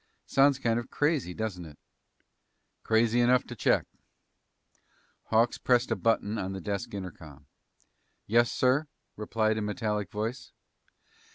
"Sounds kind of crazy, doesn't it?" "Crazy enough to check." Hawks pressed a button on the desk intercom. "Yes, sir?" replied a metallic voice.